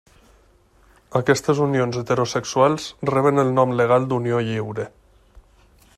Aquestes unions heterosexuals reben el nom legal d'unió lliure.